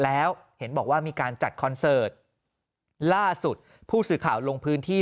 แล้วเห็นบอกว่ามีการจัดคอนเสิร์ตล่าสุดผู้สื่อข่าวลงพื้นที่